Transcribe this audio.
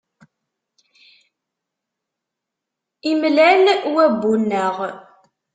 Imlal wabbu-nneɣ.